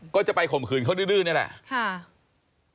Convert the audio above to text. ก็จะไปข่มขืนเขาดื้อนี่แหละ